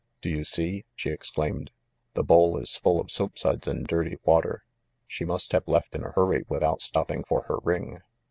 "Do you see?" she exclaimed. "The bowl is full of soap suds and dirty water. She must have left in a hurry without stopping for her ring."